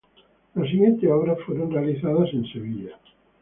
Las siguientes obras fueron realizadas en Sevilla.